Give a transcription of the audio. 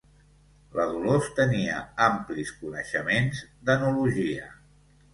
La Dolors tenia amplis coneixements d'enologia.